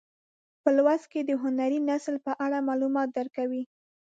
په لوست کې د هنري نثر په اړه معلومات درکوو.